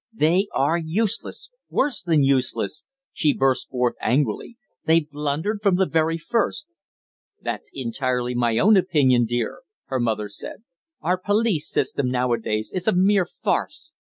"They are useless worse than useless!" she burst forth angrily; "they blundered from the very first." "That's entirely my own opinion, dear," her mother said. "Our police system nowadays is a mere farce.